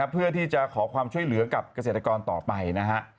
เพื่อที่จะขอความช่วยเหลือกับเกษตรกรต่อไปนะฮะ